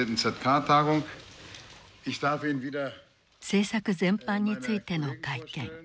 政策全般についての会見。